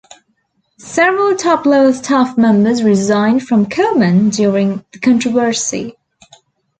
Several top-level staff members resigned from Komen during the controversy.